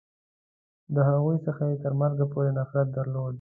د هغوی څخه یې تر مرګه پورې نفرت درلود.